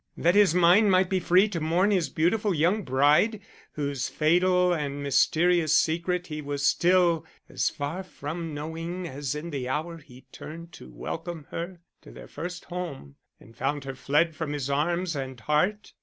That his mind might be free to mourn his beautiful young bride whose fatal and mysterious secret he was still as far from knowing as in the hour he turned to welcome her to their first home and found her fled from his arms and heart?